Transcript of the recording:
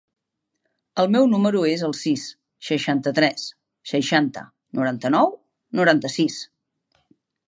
El meu número es el sis, seixanta-tres, seixanta, noranta-nou, noranta-sis.